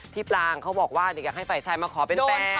พี่ปลางเขาบอกว่าอยากให้ไฟชัยมาขอเป็นแฟน